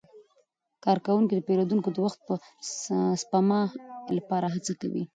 کارکوونکي د پیرودونکو د وخت د سپما لپاره هڅه کوي.